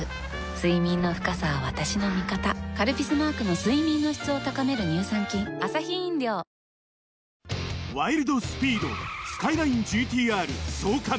睡眠の深さは私の味方「カルピス」マークの睡眠の質を高める乳酸菌あまたあるレモンサワー迷える